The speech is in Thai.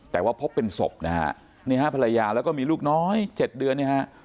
แต่ว่าพบเป็นศพนะฮะนี่ฮะภรรยาแล้วก็มีลูกน้อย๗เดือนเนี่ยฮะ